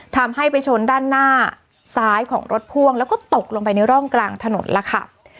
ทำให้ไปชนด้านหน้าซ้ายของรถพ่วงแล้วก็ตกลงไปในร่องกลางถนนล่ะค่ะ